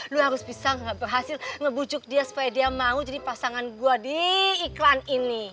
lu harus bisa nggak berhasil ngebujuk dia supaya dia mau jadi pasangan gue di iklan ini